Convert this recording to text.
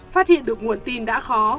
phát hiện được nguồn tin đã khó